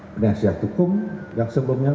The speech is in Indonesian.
penyiasat hukum yang sebelumnya